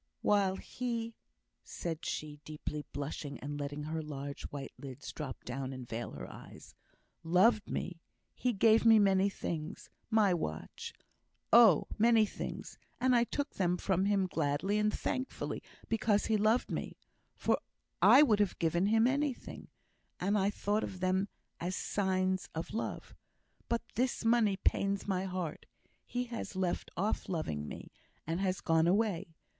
While he," said she, deeply blushing, and letting her large white lids drop down and veil her eyes, "loved me, he gave me many things my watch oh, many things; and I took them from him gladly and thankfully because he loved me for I would have given him anything and I thought of them as signs of love. But this money pains my heart. He has left off loving me, and has gone away.